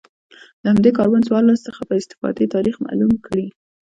له همدې کاربن څوارلس څخه په استفادې تاریخ معلوم کړي